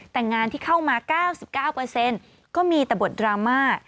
แต่งานที่เข้ามาเก้าสิบเก้าเปอร์เซ็นต์ก็แปลกเป็นบทดราม่า